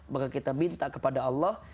maka kita minta kepada allah